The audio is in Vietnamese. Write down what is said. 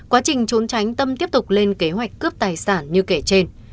quá trình trốn tránh tâm tiếp tục lên kế hoạch cướp tài sản như kể trên